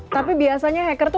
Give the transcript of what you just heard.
tapi biasanya hacker tuh